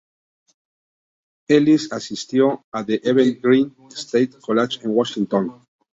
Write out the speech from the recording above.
Ellis asistió a The Evergreen State College en Washington.